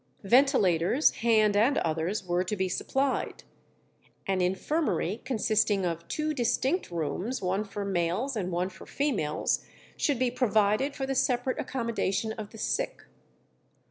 Ventilators, hand and others, were to be supplied. An infirmary, consisting of two distinct rooms, one for males and one for females, should be provided for the separate accommodation of the sick.